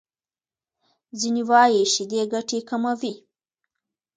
ځینې وايي شیدې ګټې کموي.